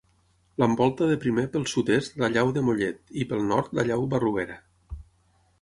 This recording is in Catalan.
L'envolta de primer pel sud-est la Llau de Mollet i pel nord la Llau Barruera.